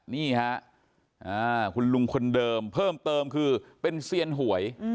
นี่ฮะคุณลุงคนเดิมเพิ่มเติมคือเป็นเซียนหวย